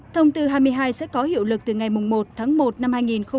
thông tư hai mươi hai sẽ có hiệu lực từ ngày một tháng một năm hai nghìn hai mươi